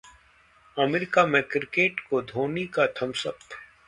America में cricket को धोनी का थम्स अप